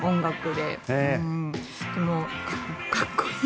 でも、かっこいい。